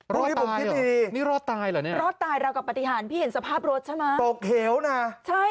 รอดตายเหรอนี่รอดตายเหรอเนี่ยรอดตายเรากับปฏิหารพี่เห็นสภาพรถใช่ไหมตกเหี่ยวนะ